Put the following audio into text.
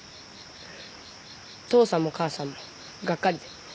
父さんも母さんもがっかりで。